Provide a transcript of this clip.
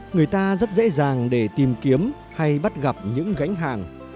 người ta rất dễ dàng để tìm kiếm hay bắt gặp những gánh hàng